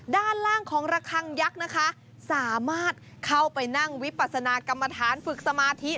ด้านล่างของระคังยักษ์นะคะสามารถเข้าไปนั่งวิปัสนากรรมฐานฝึกสมาธิ